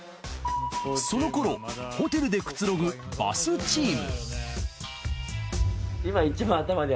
その頃ホテルでくつろぐバスチーム。